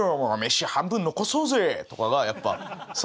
飯半分残そうぜ」とかがやっぱ。